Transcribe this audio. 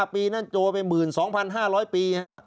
๕ปีนั้นโจวไปหมื่น๒๕๐๐ปี